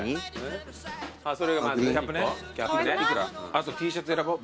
あとＴシャツ選ぼう。